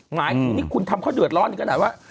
หมายคุณทำข้อเดือดร้อนอยู่ขนาดว่า